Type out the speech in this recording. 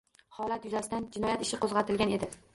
Holat yuzasidan jinoyat ishi qoʻzgʻatilgan edi.